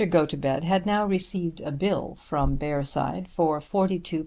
Gotobed had now received a bill from Bearside for £42 7_s.